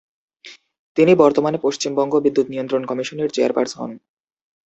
তিনি বর্তমানে পশ্চিমবঙ্গ বিদ্যুৎ নিয়ন্ত্রণ কমিশনের চেয়ারপারসন।